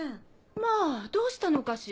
まぁどうしたのかしら？